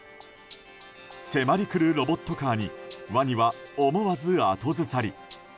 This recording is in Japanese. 迫りくるロボットカーにワニは思わず後ずさり。